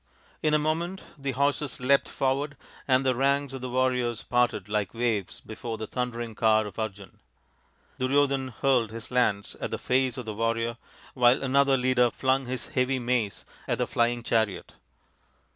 In a moment the horses leapt forward, and the ranks of the warriors parted like waves before the thundering car of Arjun. Duryodhan hurled his lance at the face of the warrior, while another leader flung his heavy mace at the flying chariot.